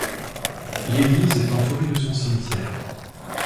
L'église est entourée de son cimetière.